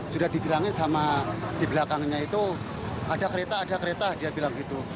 sudah dibilangin sama di belakangnya itu ada kereta ada kereta dia bilang gitu